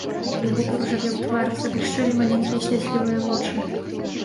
У яго паружавеў твар, заблішчэлі маленькія слязлівыя вочы.